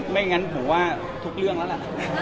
ไม่งั้นผมว่าทุกเรื่องแล้วล่ะ